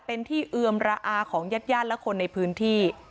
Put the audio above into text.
เป็นที่เอือมระอาของญาติญาติและคนในพื้นที่